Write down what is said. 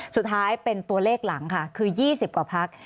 สุดท้ายเป็นตัวเลขหลังค่ะคือ๒๐กว่าพัก